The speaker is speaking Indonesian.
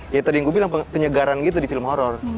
ya tadi yang gue bilang penyegaran gitu di film horror